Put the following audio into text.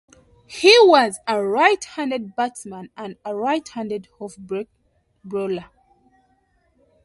He was a right-handed batsman and a right-handed offbreak bowler.